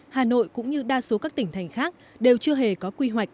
hà nội cũng như đa số các tỉnh thành khác đều chưa hề có quy hoạch